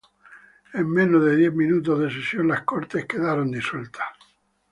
En menos de diez minutos de sesión, las Cortes quedaron disueltas.